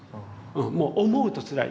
もう思うとつらい。